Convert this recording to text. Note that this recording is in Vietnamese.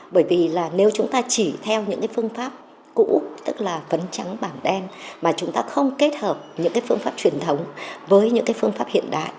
bởi vì nếu chúng ta chỉ theo những phương pháp cũ tức là phấn trắng bảng đen mà chúng ta không kết hợp những phương pháp truyền thống với những phương pháp hiện đại